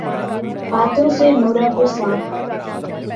ہاتھوں سے نورہ کو صاف کرلیں